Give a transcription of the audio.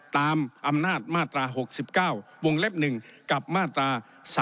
ตามอำนาจมาตรา๖๙วงเล็บ๑กับมาตรา๓๔